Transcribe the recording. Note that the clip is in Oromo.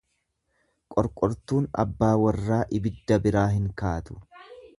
Qorqortuun abbaa warraa ibidda biraa hin kaatu.